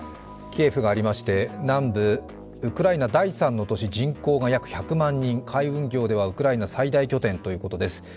キエフがありまして、南部、ウクライナ第３の都市、人口が約１００万人、海運業ではウクライナ最大拠点ということです。